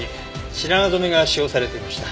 白髪染めが使用されていました。